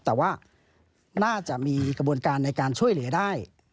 แต่ว่าน่าจะมีกระบวนการในการช่วยเหลือได้